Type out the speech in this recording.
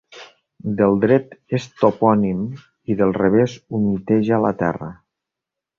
Del dret és topònim i del revés humiteja la terra.